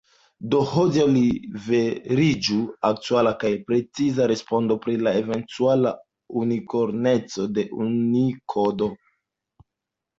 Do hodiaŭ liveriĝu aktuala kaj preciza respondo pri la eventuala unikorneco de Unikodo.